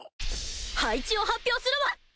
配置を発表するわ！